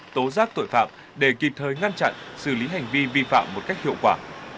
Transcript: tố giác tội phạm để kịp thời ngăn chặn xử lý hành vi vi phạm một cách hiệu quả